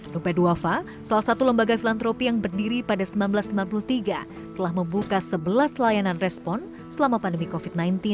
rupe duafa salah satu lembaga filantropi yang berdiri pada seribu sembilan ratus sembilan puluh tiga telah membuka sebelas layanan respon selama pandemi covid sembilan belas